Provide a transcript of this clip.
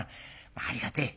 ありがてえ。